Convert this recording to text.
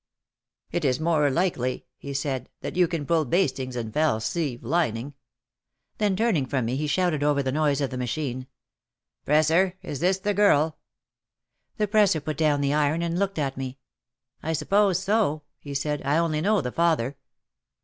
"It is more likely," he said, "that you can pull bast ings than fell sleeve lining." Then turning from me he shouted over the noise of the machine : "Presser, is this the girl ?" The presser put down the iron and looked at me. "I suppose so," he said, "I only know the father."